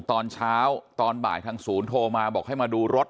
ตอนเช้าตอนบ่ายทางศูนย์โทรมาบอกให้มาดูรถ